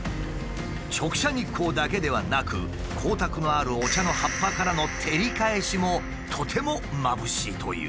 直射日光だけではなく光沢のあるお茶の葉っぱからの照り返しもとてもまぶしいという。